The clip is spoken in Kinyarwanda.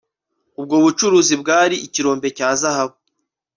ubwo bucuruzi bwari ikirombe cya zahabu